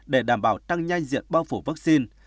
để đảm bảo tăng nhanh diện bao phủ vaccine